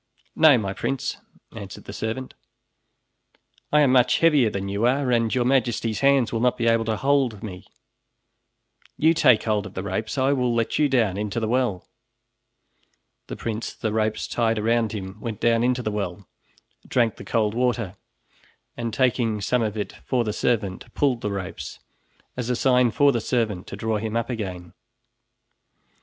"No, my prince," answered the servant, "I am much heavier than you are, and Your Majesty's hands will not be able to hold me. You take hold of the ropes, and I will let you down into the well." The prince, the ropes tied around him, went down into the well, drank the cold water, and taking some of it for the servant, pulled the ropes, as a sign for the servant to draw him up again.